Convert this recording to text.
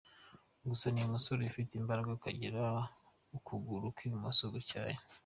Gusa ni umusore ufite imbaraga akagira ukuguru kw’ibumoso gutyaye.